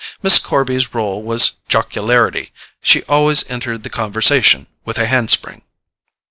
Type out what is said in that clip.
Miss Corby's role was jocularity: she always entered the conversation with a handspring.